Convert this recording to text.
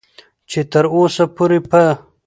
چې تر اوسه پورې په